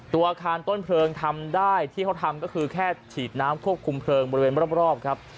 อาคารต้นเพลิงทำได้ที่เขาทำก็คือแค่ฉีดน้ำควบคุมเพลิงบริเวณรอบครับ